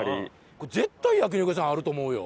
絶対焼肉屋さんあると思うよ。